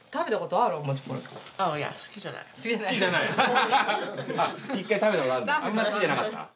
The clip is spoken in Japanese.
あんまり好きじゃなかった？